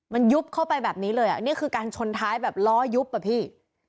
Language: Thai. มันยุบเข้าไปแบบนี้เลยอ่ะนี่คือการชนท้ายแบบล้อยุบอ่ะพี่